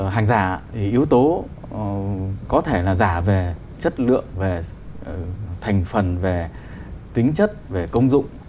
hàng giả thì yếu tố có thể là giả về chất lượng về thành phần về tính chất về công dụng